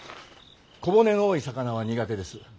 小骨の多い魚は苦手です。